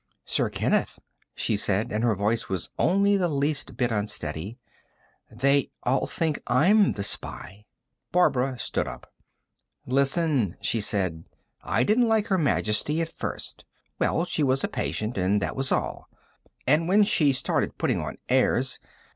"Sir Kenneth," she said and her voice was only the least bit unsteady "they all think I'm the spy." Barbara stood up. "Listen," she said. "I didn't like Her Majesty at first ... well, she was a patient, and that was all, and when she started putting on airs